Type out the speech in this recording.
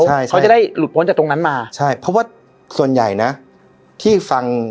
ใช่เขาจะได้หลุดพ้นจากตรงนั้นมาใช่เพราะว่าส่วนใหญ่นะที่ฟัง